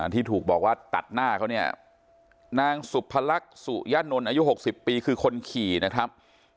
ที่ถูกบอกว่าตัดหน้าเขาเนี่ยนางสุพรรคสุยะนนท์อายุ๖๐ปีคือคนขี่นะครับ